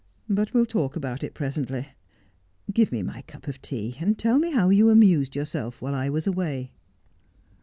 But we'll talk about it presently. Give me my cup of tea, and tell me how you amused yourself while I was away.'